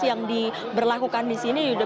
yang diberlakukan disini